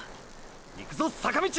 いくぞ坂道！！